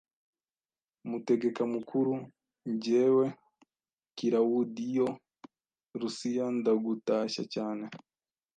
Mutegeka mukuru, jyewe Kilawudiyo Lusiya ndagutashya cyane.